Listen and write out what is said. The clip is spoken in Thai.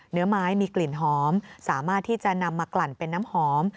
เนื้อไม้มีกลิ่นหอมสามารถที่จะนำมากลั่นเป็นน้ำหอม